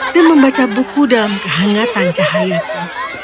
dan membaca buku dalam kehangatan cahayaku